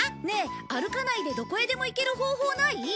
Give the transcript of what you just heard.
ねえ歩かないでどこへでも行ける方法ない？